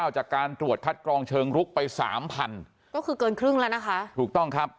จากการตรวจคัดกรองเชิงลุกไปสามพันก็คือเกินครึ่งแล้วนะคะถูกต้องครับ